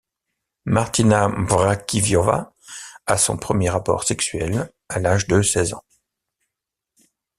Martina Mrakviová a son premier rapport sexuel à l'âge de seize ans.